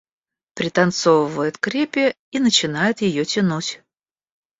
Пританцовывает к репе и начинает её тянуть.